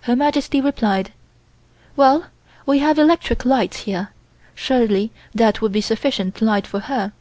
Her Majesty replied: "Well, we have electric lights here. Surely that would be sufficient light for her."